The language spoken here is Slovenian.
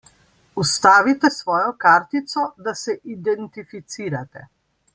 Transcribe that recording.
Vstavite svojo kartico, da se identificirate.